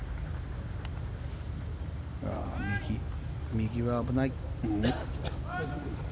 右は危ない。